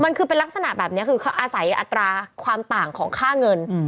มันคือเป็นลักษณะแบบนี้คือเขาอาศัยอัตราความต่างของค่าเงิน